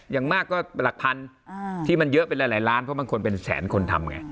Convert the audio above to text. อย่างมากก็หลักพันที่มันเยอะเป็นหลายล้านเพราะบางคนเป็นแสนคนทำไง